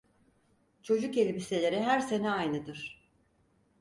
Çocuk elbiseleri her sene aynıdır…